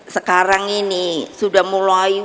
sekarang ini sudah mulai